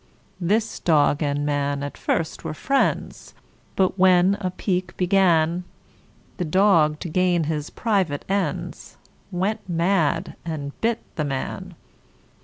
This dog and man at first were friends; But when a pique began, The dog, to gain his private ends, Went mad, and bit the man.